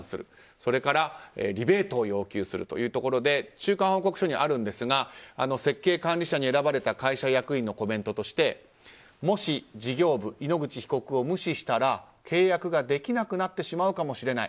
それから、リベートを要求するというところで中間報告書にあるんですが設計監理者に選ばれた会社役員のコメントとしてもし事業部、井ノ口被告を無視したら契約ができなくなってしまうかもしれない。